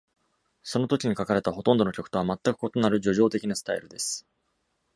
その時に書かれたほとんどの曲とは全く異なる叙情的なスタイルです。